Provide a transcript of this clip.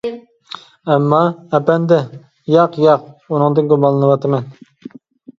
-ئەمما، ئەپەندى. -ياق، ياق. ئۇنىڭدىن گۇمانلىنىۋاتىمەن.